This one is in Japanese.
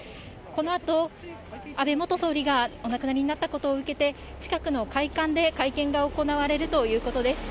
このあと、安倍元総理がお亡くなりになったことを受けて、近くの会館で会見が行われるということです。